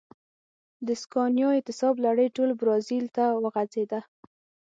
د سکانیا اعتصاب لړۍ ټول برازیل ته وغځېده.